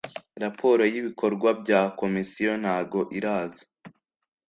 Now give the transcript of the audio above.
raporo y ibikorwa bya komisiyo ntago iraza.